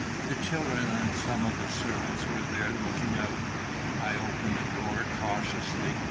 The children and some of the servants were there looking out. I opened the door cautiously.